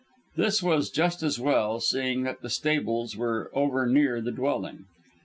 This was just as well, seeing that the stables were over near the dwelling.